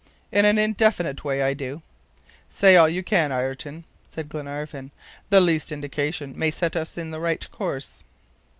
"In an indefinite way I do." "Say all you can, Ayrton," said Glenarvan, "the least indication may set us in the right course."